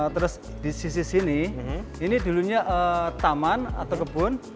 terus di sisi sini ini dulunya taman atau kebun